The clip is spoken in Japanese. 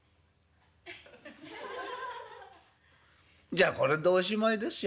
「じゃあこれでおしまいですよ」。